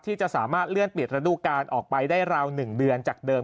ที่จะสามารถเลื่อนปิดระดูการออกไปได้ราว๑เดือนจากเดิม